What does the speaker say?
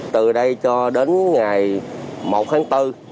từ đây cho đến ngày một tháng bốn